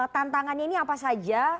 tantangannya ini apa saja